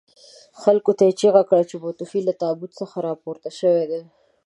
خلکو ته یې چيغه کړه چې متوفي له تابوت څخه راپورته شوي دي.